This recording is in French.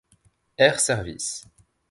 Air Service.